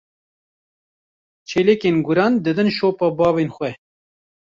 Çêlikên guran didin şopa bavên xwe.